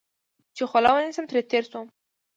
چې خوله ونیسم، ترې تېر شوم.